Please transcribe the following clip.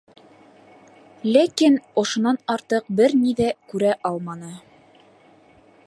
Ләкин ошонан артыҡ бер ни ҙә күрә алманы.